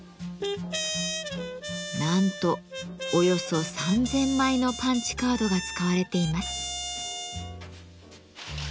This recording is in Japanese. なんとおよそ３，０００枚のパンチカードが使われています。